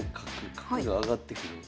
角が上がってくる。